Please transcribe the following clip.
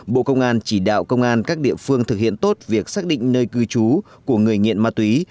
bộ công an chỉ đạo công an các địa phương thực hiện tốt việc xác định nơi cư trú của người nghiện ma túy